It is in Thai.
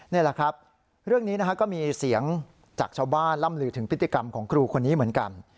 นี่แหละครับเรื่องนี้นะฮะก็มีเสียงจากชาวบ้านล่ำลือถึงพฤติกรรมของครูคนนี้เหมือนกัน